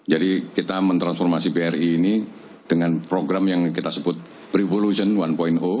jadi kita mentransformasi bri ini dengan program yang kita sebut prevolution satu